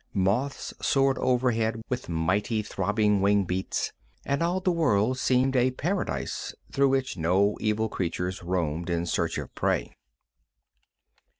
Moths soared overhead with mighty, throbbing wing beats, and all the world seemed a paradise through which no evil creatures roamed in search of prey.